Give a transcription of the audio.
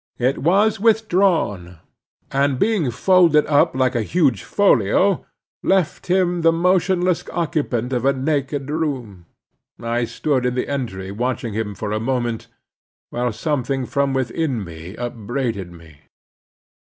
It was withdrawn; and being folded up like a huge folio, left him the motionless occupant of a naked room. I stood in the entry watching him a moment, while something from within me upbraided me.